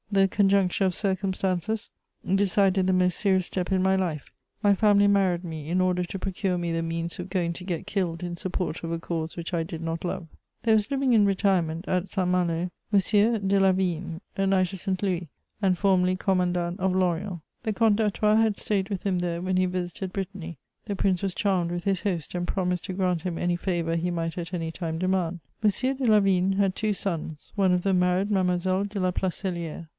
This conjuncture of circumstances decided the most serious step in my life: my family married me in order to procure me the means of going to get killed in support of a cause which I did not love. There was living in retirement, at Saint Malo, M. de Lavigne, a knight of Saint Louis, and formerly Commandant of Lorient. The Comte d'Artois had stayed with him there when he visited Brittany: the Prince was charmed with his host, and promised to grant him any favour he might at any time demand. M. de Lavigne had two sons: one of them married Mademoiselle de La Placelière.